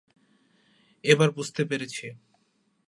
এবার বুঝতে পেরেছি।